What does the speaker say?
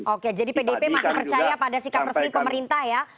oke jadi pdip masih percaya pada sikap resmi pemerintah ya